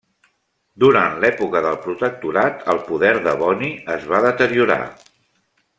Durant l'època del protectorat el poder de Bonny es va deteriorar.